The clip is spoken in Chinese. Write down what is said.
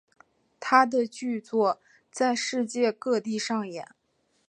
他的剧作在世界各地上演。